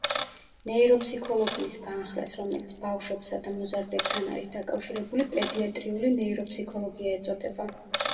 ნეიროფსიქოლოგიის განხრას, რომელიც ბავშვებსა და მოზარდებთან არის დაკავშირებული, პედიატრიული ნეიროფსიქოლოგია ეწოდება.